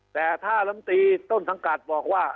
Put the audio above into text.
แต่ถ้าลำตีต้นสังกัดบอกว่า